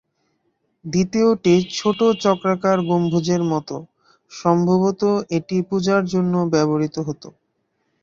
দ্বিতীয়টি ছোট চক্রাকার গম্বুজের মত, সম্ভবত এটি পূজার জন্য ব্যবহৃত হত।